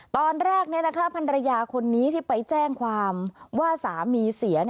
ตอนแรกพันรยาคนนี้ที่ไปแจ้งความว่าสามีเสีย